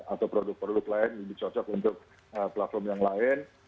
atau produk produk lain lebih cocok untuk platform yang lain